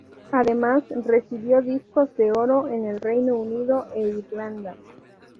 Además, recibió discos de oro en el Reino Unido e Irlanda.